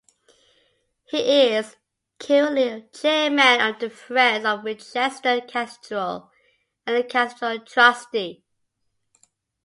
He is currently Chairman of the Friends of "Winchester Cathedral" and a Cathedral Trustee.